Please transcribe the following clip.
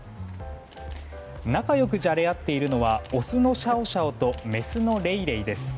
仲良くじゃれ合っているのはオスのシャオシャオとメスのレイレイです。